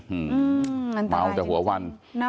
อื้อหือม้าวแต่หัววัน